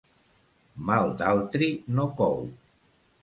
Mal d'altri no cou.